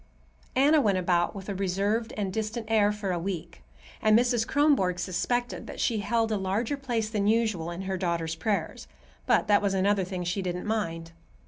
Anna went about with a reserved and distant air for a week, and Mrs. Kronborg suspected that she held a larger place than usual in her daughter's prayers; but that was another thing she didn't mind.